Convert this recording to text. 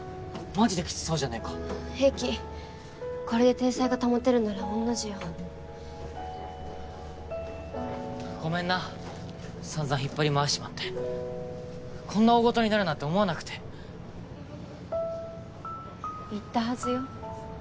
マジできつそうじゃねぇか平気これで体裁が保てるなら御の字よごめんなさんざん引っ張り回しちまってこんな大ごとになるなんて思わなくて言ったはずよ